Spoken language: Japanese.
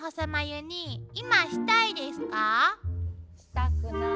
したくない。